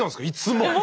いつも。